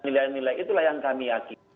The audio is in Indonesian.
nilai nilai itulah yang kami yakin